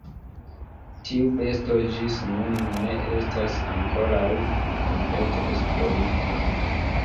Tiu besto ĝis nun ne estas ankoraŭ komplete esplorita.